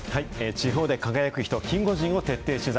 地方で輝く人、キンゴジンを徹底取材。